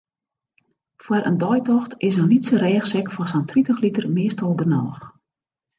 Foar in deitocht is in lytse rêchsek fan sa'n tritich liter meastal genôch.